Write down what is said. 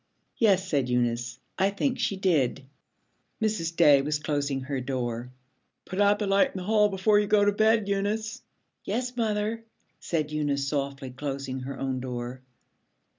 'Yes,' said Eunice, 'I think she did.' Mrs. Day was closing her door. 'Put out the light in the hall before you go to bed, Eunice.' 'Yes, mother,' said Eunice, softly closing her own door.